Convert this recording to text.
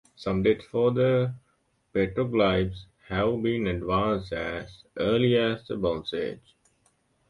Some dates for the petroglyphs have been advanced as early as the Bronze Age.